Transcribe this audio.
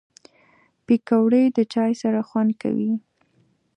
پکورې د چای سره خوند کوي